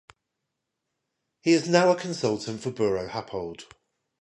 He is now a consultant for Buro Happold.